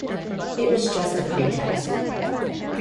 It was just a pretext.